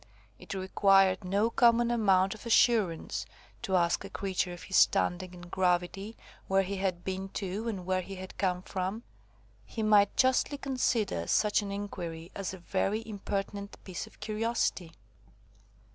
It required no common amount of assurance to ask a creature of his standing and gravity, where he had been to, and where he had come from. He might justly consider such an inquiry as a very impertinent piece of curiosity.